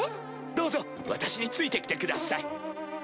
どうぞ私についてきてください。